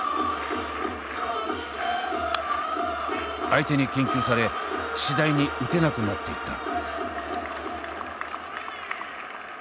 相手に研究され次第に打てなくなっていった。